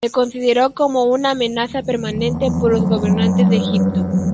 Se consideró como una amenaza permanente por los gobernantes de Egipto.